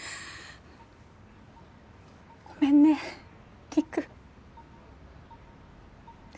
ごめんね陸。